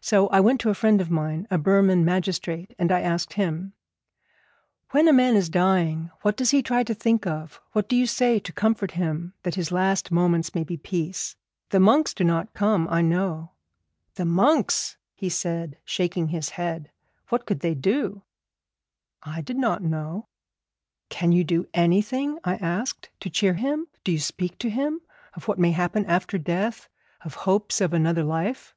So I went to a friend of mine, a Burman magistrate, and I asked him: 'When a man is dying, what does he try to think of? What do you say to comfort him that his last moments may be peace? The monks do not come, I know.' 'The monks!' he said, shaking his head; 'what could they do?' I did not know. 'Can you do anything,' I asked, 'to cheer him? Do you speak to him of what may happen after death, of hopes of another life?'